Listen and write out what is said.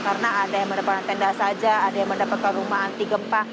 karena ada yang mendapatkan tenda saja ada yang mendapatkan rumah anti gempa